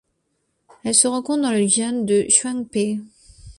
Elle se rencontre dans le xian de Shuangpai.